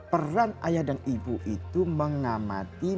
peran ayah dan ibu itu mengamati